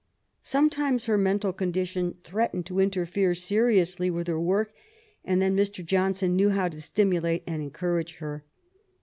Sometimes her mental condition threatened to interfere seriously with her work, and then Mr. Johnson knew how to stimu late and encourage her.